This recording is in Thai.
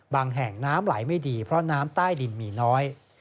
แห่งน้ำไหลไม่ดีเพราะน้ำใต้ดินมีน้อย